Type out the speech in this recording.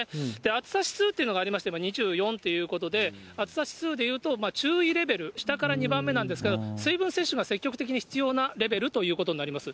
暑さ指数っていうのがありまして、２４ということで、暑さ指数でいうと注意レベル、下から２番目なんですけど、水分摂取が積極的に必要なレベルということになります。